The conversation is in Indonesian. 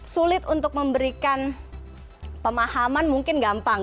sulit untuk memberikan pemahaman mungkin gampang